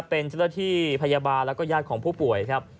เป็นเจ้าหน้าที่พยาบาลแล้วก็ญาติของผู้ป่วยครับ